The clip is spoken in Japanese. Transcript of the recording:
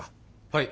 はい。